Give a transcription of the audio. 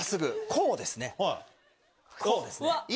こうですね。